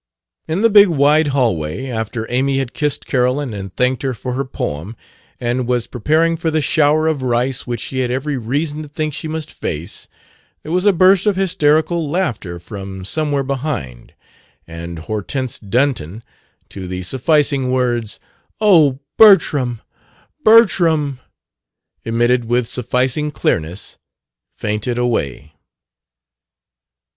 In the big wide hallway, after Amy had kissed Carolyn and thanked her for her poem and was preparing for the shower of rice which she had every reason to think she must face, there was a burst of hysterical laughter from somewhere behind, and Hortense Dunton, to the sufficing words, "O Bertram, Bertram!" emitted with sufficing clearness, fainted away.